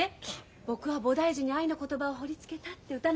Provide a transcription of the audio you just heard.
「僕は菩提樹に愛の言葉を彫りつけた」って歌なの。